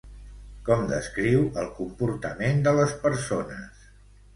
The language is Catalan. Com descriu el comportament de les persones?